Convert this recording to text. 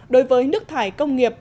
đối với nước thải công nghiệp